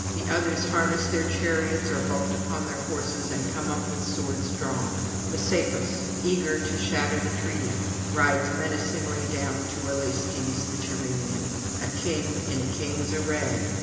The others harness their chariots, or vault upon their horses and come up with swords drawn. Messapus, eager to shatter the treaty, rides menacingly down on Aulestes the Tyrrhenian, a king in a king's array.